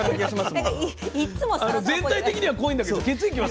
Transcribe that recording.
全体的には濃いんだけど血液は。